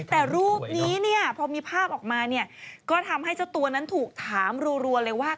แต่รูปนี้เนี่ยพอมีภาพออกมาเนี่ยก็ทำให้เจ้าตัวนั้นถูกถามรัวเลยว่า